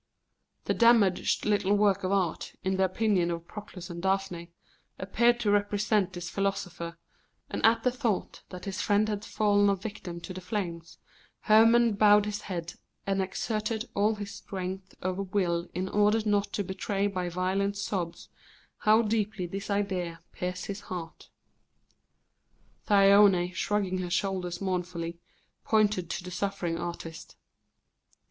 The damaged little work of art, in the opinion of Proclus and Daphne, appeared to represent this philosopher, and at the thought that his friend had fallen a victim to the flames Hermon bowed his head and exerted all his strength of will in order not to betray by violent sobs how deeply this idea pierced his heart. Thyone, shrugging her shoulders mournfully, pointed to the suffering artist.